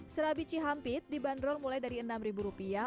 serabici hapit dibanderol mulai dari enam rupiah